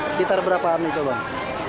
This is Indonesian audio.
sekitar berapa ham itu bang